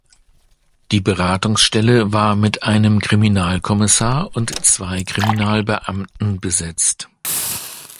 Die Beratungsstelle war mit einem Kriminalkommissar und zwei Kriminalbeamten besetzt.